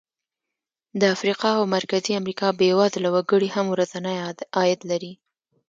د افریقا او مرکزي امریکا بېوزله وګړي هم ورځنی عاید لري.